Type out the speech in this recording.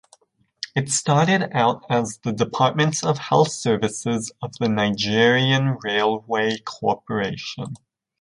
It started out as the Department of Health Services of the Nigerian Railway Corporation.